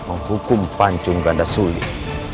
menghukum panjung ganda sungguh